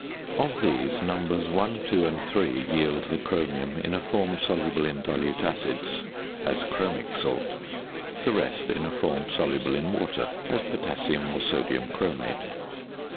Of these, numbers 1, 2, and 3 yield the chromium in a form soluble in dilute acids, as chromic salt. The rest in a form soluble in water, as potassium or sodium chromate.